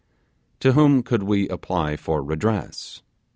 To whom could we apply for redress?